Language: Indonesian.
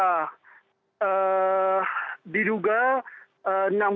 nah diduga enam belas orang